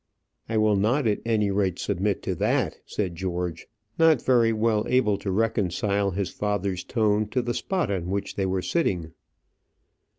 "I will not at any rate submit to that," said George, not very well able to reconcile his father's tone to the spot on which they were sitting.